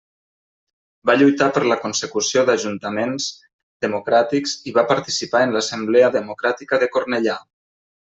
Va lluitar per la consecució d'ajuntaments democràtics i va participar en l'Assemblea Democràtica de Cornellà.